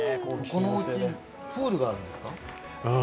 このおうち、プールがあるんですか？